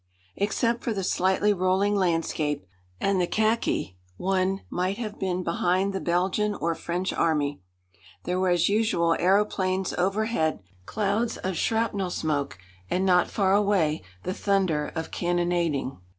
Except for the slightly rolling landscape and the khaki one might have been behind the Belgian or French Army. There were as usual aëroplanes overhead, clouds of shrapnel smoke, and not far away the thunder of cannonading.